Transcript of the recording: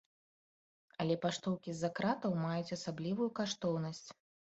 Але паштоўкі з-за кратаў маюць асаблівую каштоўнасць.